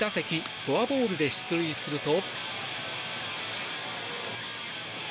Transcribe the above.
フォアボールで出塁すると。